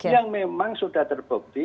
yang memang sudah terbukti